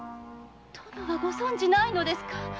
ご存じないのですか？